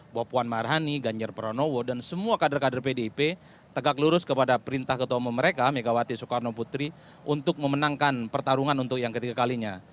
bahwa puan maharani ganjar pranowo dan semua kader kader pdip tegak lurus kepada perintah ketua umum mereka megawati soekarno putri untuk memenangkan pertarungan untuk yang ketiga kalinya